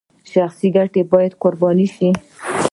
شخصي ګټې باید قرباني شي